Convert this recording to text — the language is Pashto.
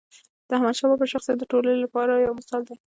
د احمدشاه بابا شخصیت د ټولو لپاره یو مثال دی.